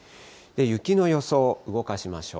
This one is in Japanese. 雪の予想、動かしましょう。